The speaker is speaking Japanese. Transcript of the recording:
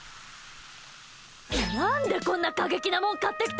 何でこんな過激なもん買ってきた？